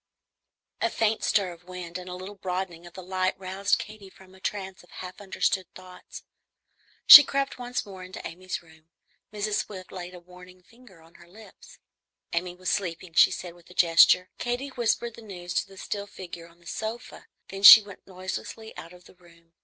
A faint stir of wind and a little broadening of the light roused Katy from a trance of half understood thoughts. She crept once more into Amy's room. Mrs. Swift laid a warning finger on her lips; Amy was sleeping, she said with a gesture. Katy whispered the news to the still figure on the sofa, then she went noiselessly out of the room.